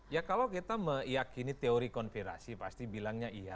ya kalau kita meyakini teori konfirasi pasti bilangnya iya